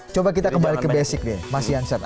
coba kita kembali ke basic nih mas yanset